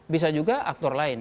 bisa juga aktor lain